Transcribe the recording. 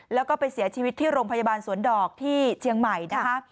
แล้วก็ไปเสียชีวิตที่โรงพยาบาลสวนดอกที่เชียงใหม่นะคะ